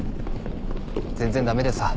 全然駄目でさ。